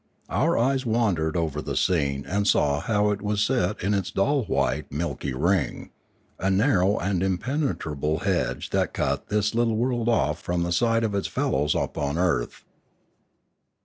Our eyes wandered over the scene and saw how it was set in its dull white milky ring, a narrow and impenetrable hedge that cut this little world off from the sight of its fellows upon earth.